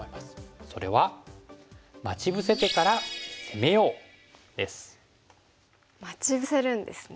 それは待ち伏せるんですね。